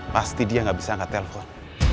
pasti dia gak bisa angkat telpon